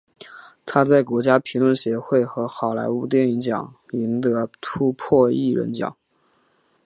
他在国家评论协会和好莱坞电影奖赢得突破艺人奖。